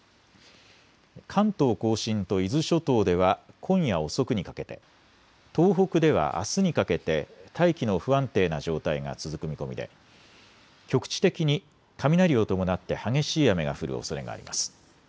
関東甲信と伊豆諸島では今夜遅くにかけて、東北ではあすにかけて大気の不安定な状態が続く見込みで局地的に雷を伴って激しい雨が降るおそれがあります。